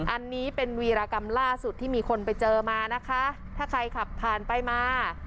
อันนี้เป็นวีรกรรมล่าสุดที่มีคนไปเจอมานะคะถ้าใครขับผ่านไปมา